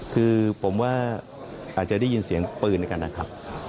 คือผมว่าอาจจะได้ยินเสียงปืนกันนะครับ